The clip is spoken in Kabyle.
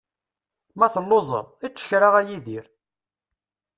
Ma telluẓeḍ, ečč kra a Yidir.